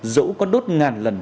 dẫu có đốt ngàn lần